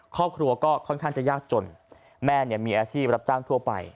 ครอบครัวก็ค่อนข้างจะยากจนแม่มีอาชีพรับจ้างทั่วไป